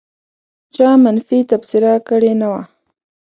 چا منفي تبصره کړې نه وه.